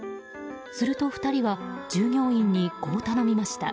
すると２人は従業員にこう頼みました。